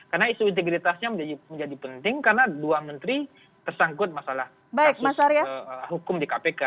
karena isu integritasnya menjadi penting karena dua menteri tersangkut masalah hukum di kpk